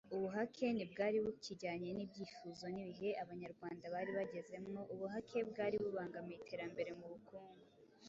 Ubuhake ntibwari bukijyanye n'ibyifuzo n'ibihe Abanyarwanda bari bagezemwoUbuhake bwari bubangamiye iterambere mu bukungu